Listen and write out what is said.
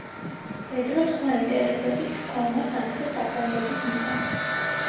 პედროს სხვა ინტერესებიც ჰქონა სამხრეთ საფრანგეთის მიმართ.